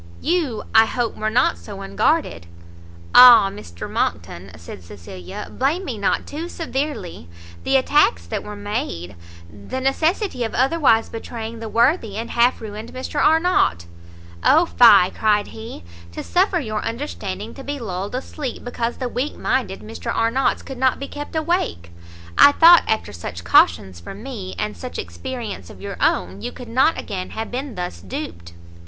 You, I hope, were not so unguarded " "Ah, Mr Monckton," said Cecilia, "blame me not too severely! the attacks that were made, the necessity of otherwise betraying the worthy and half ruined Mr. Arnott " "Oh fie," cried he, "to suffer your understanding to be lulled asleep, because the weak minded Mr Arnott's could not be kept awake! I thought, after such cautions from me, and such experience of your own, you could not again have been thus duped."